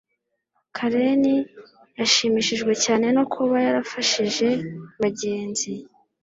karen yashimishijwe cyane no kuba yarafashije bagenzi